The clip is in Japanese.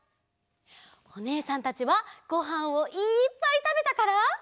おねえさんたちはごはんをいっぱいたべたから。